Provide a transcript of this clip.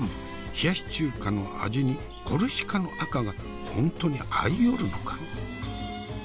冷やし中華の味にコルシカの赤が本当に合いよるのか？